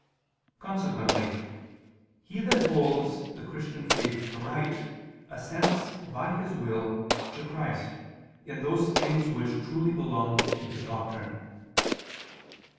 Consequently he that holds the Christian faith aright, assents, by his will, to Christ, in those things which truly belong to His doctrine.